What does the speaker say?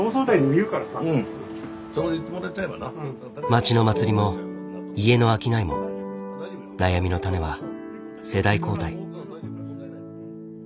町の祭りも家の商いも悩みのタネは世代交代。